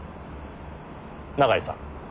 永井さん。